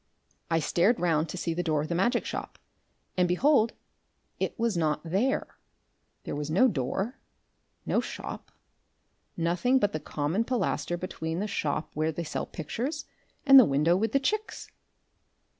I stared round to see the door of the magic shop, and, behold, it was not there! There was no door, no shop, nothing, only the common pilaster between the shop where they sell pictures and the window with the chicks!...